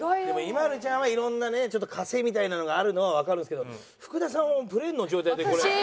でもＩＭＡＬＵちゃんはいろんなねちょっとかせみたいなのがあるのはわかるんですけど福田さんはプレーンの状態でこれ。